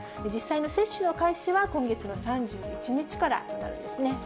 実際の接種の開始は今月の３１日からなんですね。